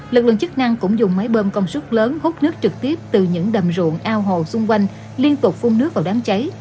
lực lượng chức năng cũng dùng máy bơm công suất lớn hút nước trực tiếp từ những đầm ruộng ao hồ xung quanh liên tục phun nước vào đám cháy